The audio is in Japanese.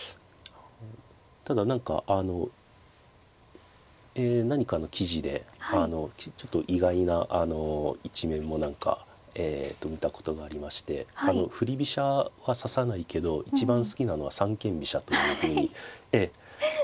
ただ何かあの何かの記事でちょっと意外な一面も何か見たことがありまして振り飛車は指さないけど一番好きなのは三間飛車というふうにええ記事を。